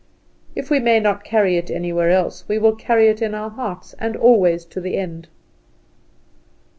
If we may not carry it anywhere else we will carry it in our hearts, and always to the end.